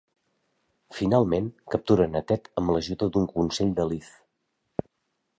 Finalment capturen a Ted amb l'ajuda d'un consell de Liz.